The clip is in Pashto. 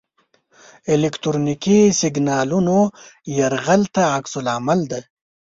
الکترونیکي سیګنالونو یرغل ته عکس العمل دی.